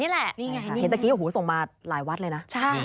เห็นตะกี้โอ้โหส่งมาหลายวัดเลยนะ